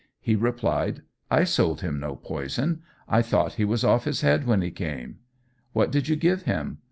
He replied, 'I sold him no poison; I thought he was off his head when he came.' 'What did you give him?'